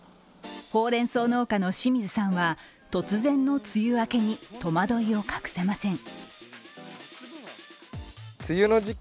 ほうれん草農家の清水さんは突然の梅雨明けに戸惑いを隠せません。